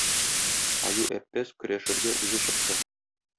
Аю-Әппәз көрәшергә үзе чыкты.